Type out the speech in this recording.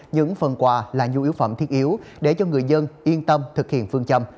những phần quà là nhu yếu phẩm thiết yếu để cho người dân yên tâm thực hiện phương châm